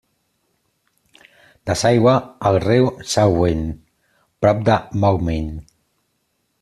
Desaigua al riu Salween prop de Moulmein.